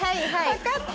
分かった。